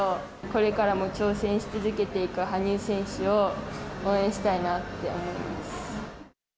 これからも挑戦し続けていく羽生選手を応援したいなって思います。